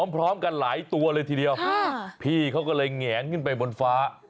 พร้อมกันหลายตัวเลยทีเดียวพี่เขาก็เลยแหงขึ้นไปบนฟ้า